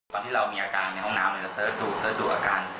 ตอนที่เรามีอาการในห้องน้ำจะเสิร์ชดูเสิร์ชดูอาการ